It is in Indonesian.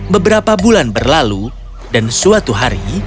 beberapa bulan berlalu dan suatu hari